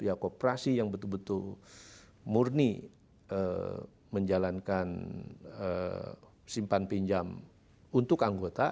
ya kooperasi yang betul betul murni menjalankan simpan pinjam untuk anggota